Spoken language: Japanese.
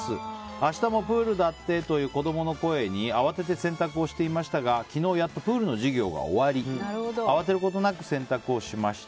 明日もプールだってという子供の声に慌てて洗濯をしていましたが昨日やっとプールの授業が終わり慌てることなく洗濯をしました。